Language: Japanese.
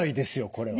これは。